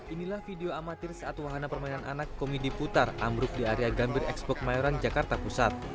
inilah video amatir saat wahana permainan anak komedi putar ambruk di area gambir expok mayoran jakarta pusat